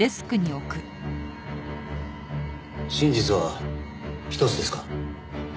「真実は一つ」ですか？